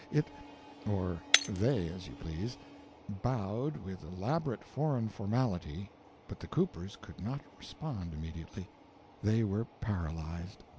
It or they, as you please bowed with elaborate foreign formality, but the Coopers could not respond immediately; they were paralyzed.